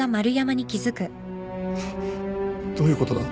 どういうことだ？